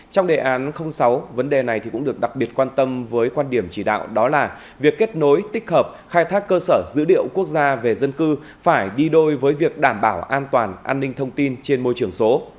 trong đề án sáu vấn đề này cũng được đặc biệt quan tâm với quan điểm chỉ đạo đó là việc kết nối tích hợp khai thác cơ sở dữ liệu quốc gia về dân cư phải đi đôi với việc đảm bảo an toàn an ninh thông tin trên môi trường số